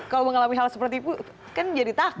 kalau mengalami hal seperti itu kan jadi takut